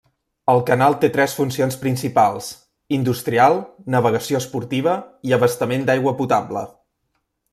El canal té tres funcions principals: industrial, navegació esportiva i abastament d'aigua potable.